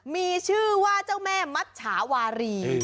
มีชื่อว่าเจ้าแม่มัชชาวารี